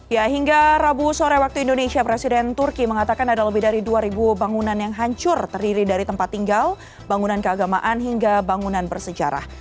ya hingga rabu sore waktu indonesia presiden turki mengatakan ada lebih dari dua ribu bangunan yang hancur terdiri dari tempat tinggal bangunan keagamaan hingga bangunan bersejarah